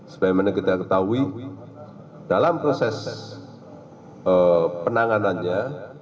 sebagaimana kita ketahui dalam proses penanganannya